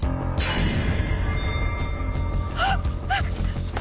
あっ！